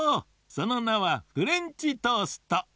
そのなはフレンチトースト！